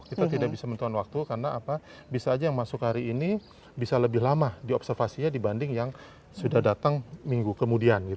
kita tidak bisa menentukan waktu karena bisa saja yang masuk hari ini bisa lebih lama diobservasinya dibanding yang sudah datang minggu kemudian